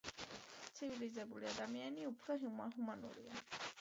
ცივილიზებული ადამიანი უფრო ჰუმანურია.